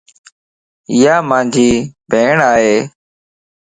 ايا مانجي ڀيڻ ائي